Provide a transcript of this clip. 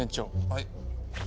はい。